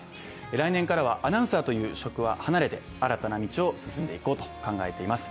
来年からはアナウンサーという職は離れて新たな道を進んでいこうと考えております。